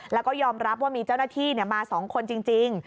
แล้วก็ยอมรับว่ามีเจ้าหน้าที่มา๒คนจริง